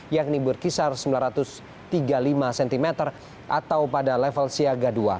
yakni berkisar sembilan ratus tiga puluh lima cm atau pada level siaga dua